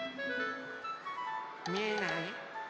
みえない？